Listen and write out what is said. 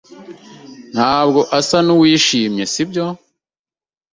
ntabwo asa nuwishimye, sibyo?